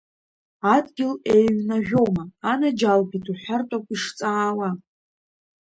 Адгьыл еиҩнажәома, анаџьалбеит уҳәартә ауп ишҵаауа.